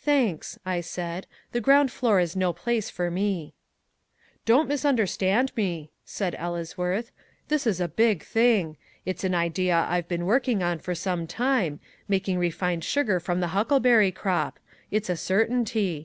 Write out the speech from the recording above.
"Thanks," I said, "the ground floor is no place for me." "Don't misunderstand me," said Ellesworth. "This is a big thing. It's an idea I've been working on for some time, making refined sugar from the huckleberry crop. It's a certainty.